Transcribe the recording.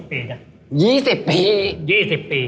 ๒๐ปี๒๐ปี